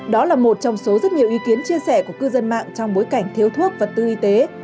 đó là một trong số rất nhiều ý kiến chia sẻ của cư dân mạng trong bối cảnh thiếu thuốc vật tư y tế